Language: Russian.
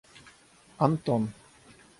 Антон